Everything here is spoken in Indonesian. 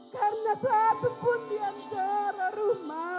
karena saat pun dia mencari rumah